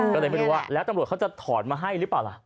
ก็เลยไม่รู้ว่าแล้วตำรวจเขาจะถอนมาให้หรือเปล่าล่ะ